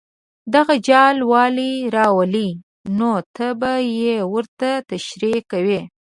دغه جال ولې راولي نو ته به یې ورته تشریح کوې.